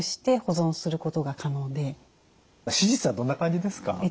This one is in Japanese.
手術はどんな感じですか？